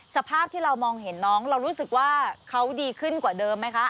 สภาพที่เรามองเห็นน้องเรารู้สึกว่าเขาดีขึ้นกว่าเดิมไหมคะ